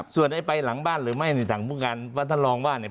ส่วนไอ้ไปหลังบ้านหรือไม่ทางพวกการพันธลองว่าเนี่ย